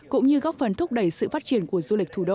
cũng như góp phần thúc đẩy sự phát triển của du lịch thủ đô